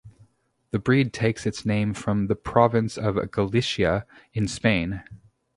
The breed takes its name from the province of Galicia in Spain.